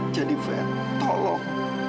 jadi fen tolong